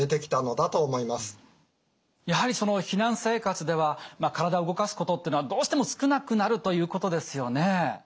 やはりその避難生活では体を動かすことっていうのはどうしても少なくなるということですよね。